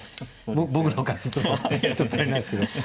僕の解説はちょっと頼りないですけど。